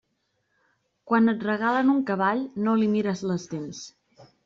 Quan et regalen un cavall no li mires les dents.